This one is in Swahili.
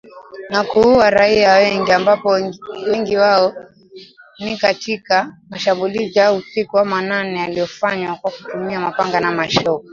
Na kuua raia wengi ambapo wengi wao ni katika mashambulizi ya usiku wa manane yaliyofanywa kwa kutumia mapanga na mashoka.